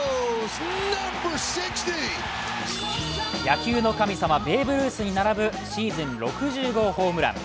野球の神様ベーブ・ルースに並ぶシーズン６０号ホームラン。